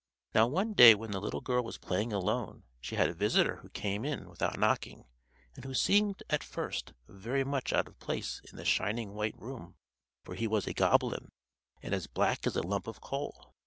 Now one day when the little girl was playing alone, she had a visitor who came in without knocking and who seemed, at first, very much out of place in the shining white room, for he was a goblin and as black as a lump of coal.